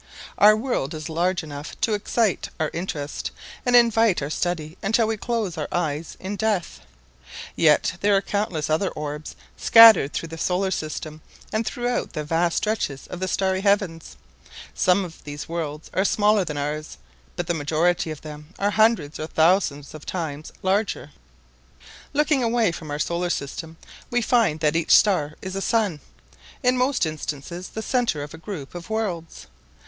Our world is large enough to excite our interest and invite our study until we close our eyes in death. Yet there are countless other orbs scattered through the solar system and throughout the vast stretches of the starry heavens. Some of these worlds are smaller than ours, but the majority of them are hundreds or thousands of times larger. Looking away from our solar system, we find that each star is a sun, in most instances the center of a group of worlds.